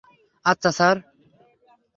আচ্ছা, স্যার!